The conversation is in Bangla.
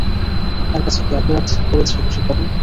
আপনার কাছে কী অপরাধ করেছি রসিকবাবু?